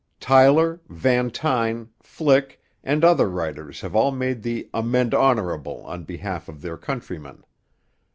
Tyler, Van Tyne, Flick, and other writers have all made the amende honorable on behalf of their countrymen.